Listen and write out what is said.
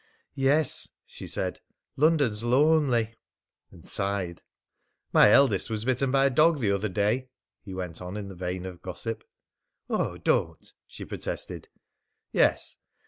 "Yes," she said, "London's lonely!" and sighed. "My eldest was bitten by a dog the other day," he went on in the vein of gossip. "Oh, don't!" she protested. "Yes.